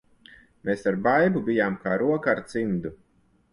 Mēs ar Baibu bijām kā roka ar cimdu.